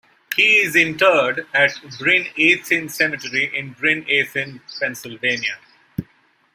He is interred at Bryn Athyn Cemetery in Bryn Athyn, Pennsylvania.